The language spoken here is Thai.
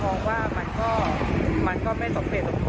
เพราะว่ามันก็มันก็ไม่สมเกตุผล